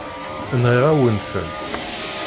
Nɣiɣ-awen-tent.